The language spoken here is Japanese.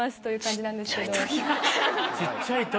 「ちっちゃい時」。